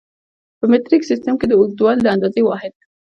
په مټریک سیسټم کې د اوږدوالي د اندازې واحد